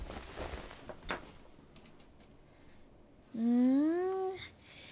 うん。